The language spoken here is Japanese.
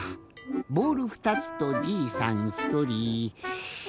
ボール２つとじいさんひとり。